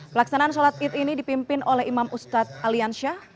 pelaksanaan sholat id ini dipimpin oleh imam ustadz aliansyah